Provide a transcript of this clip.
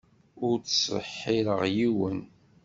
Ur ttseḥḥireɣ yiwen.